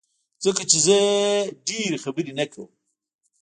ځکه چي زه ډيری خبری نه کوم